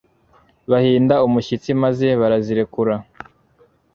bahinda umushyitsi maze barazirekura.